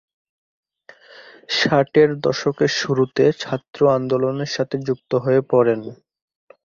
ষাট এর দশকের শুরুতে ছাত্র আন্দোলনের সাথে যুক্ত হয়ে পড়েন।